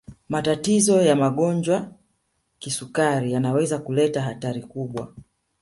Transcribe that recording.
matatizo ya magonjwa kisukari yanaweza kuleta hatari kubwa